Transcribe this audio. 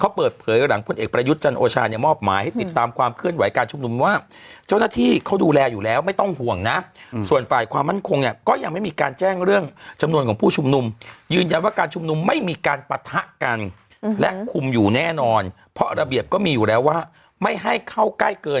เขาเปิดเผยหลังพลเอกประยุทธ์จันโอชาเนี่ยมอบหมายให้ติดตามความเคลื่อนไหวการชุมนุมว่าเจ้าหน้าที่เขาดูแลอยู่แล้วไม่ต้องห่วงนะส่วนฝ่ายความมั่นคงเนี่ยก็ยังไม่มีการแจ้งเรื่องจำนวนของผู้ชุมนุมยืนยันว่าการชุมนุมไม่มีการปะทะกันและคุมอยู่แน่นอนเพราะระเบียบก็มีอยู่แล้วว่าไม่ให้เข้าใกล้เกิน